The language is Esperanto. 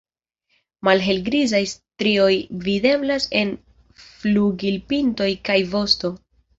Malhelgrizaj strioj videblas en flugilpintoj kaj vosto.